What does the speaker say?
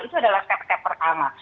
itu adalah step step pertama